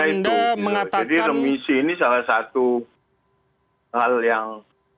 jadi remisi ini salah satu hal yang